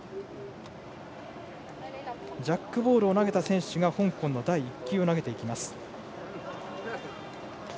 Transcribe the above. ジャックボールを投げた選手が香港の第１球を投げます。